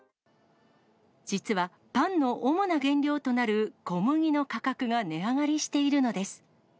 実はパンの主な原料となる小麦の価格が値上がりしているのです。